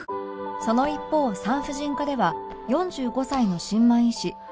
その一方産婦人科では４５歳の新米医師佐々木